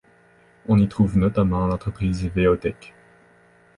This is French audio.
On y trouve notamment l'entreprise Ve-hotech.